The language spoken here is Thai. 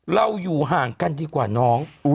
เราอยู่ห่างกันดีกว่าน้อง